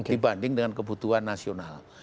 dibanding dengan kebutuhan nasional